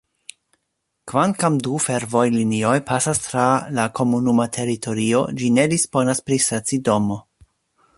Kvankam du fervojlinioj pasas tra la komunuma teritorio, ĝi ne disponas pri stacidomo.